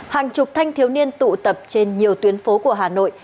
hàng chục thanh thiếu niên tụ tập trên nhiều tuyến phố của hà nội